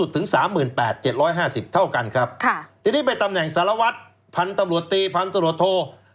ถึง๓๘๗๕๐เท่ากันครับทีนี้ไปตำแหน่งสารวัตรพันธุ์ตำรวจตีพันธุ์ตำรวจโท